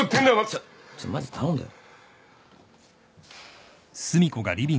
ちょっちょっマジ頼んだよ。